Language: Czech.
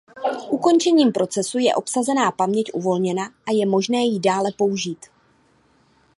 Ukončením procesu je obsazená paměť uvolněna a je možné ji dále použít.